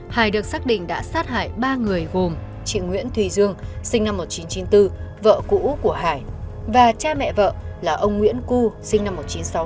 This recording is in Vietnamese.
hải được xác định đã sát hại ba người gồm chị nguyễn thùy dương sinh năm một nghìn chín trăm chín mươi bốn vợ cũ của hải và cha mẹ vợ là ông nguyễn cu sinh năm một nghìn chín trăm sáu mươi